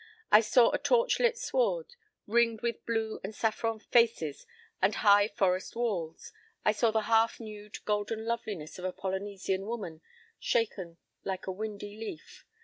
I saw a torch lit sward, ringed with blue and saffron faces and high forest walls; I saw the half nude, golden loveliness of a Polynesian woman shaken like a windy leaf.